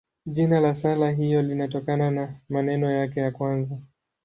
Jina la sala hiyo linatokana na maneno yake ya kwanza.